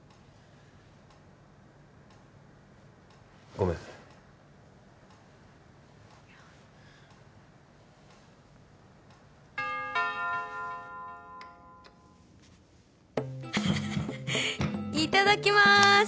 ごめんいやいただきます